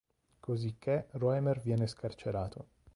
Cosicché Roemer viene scarcerato.